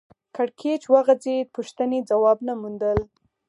کړکېچ وغځېد پوښتنې ځواب نه موندل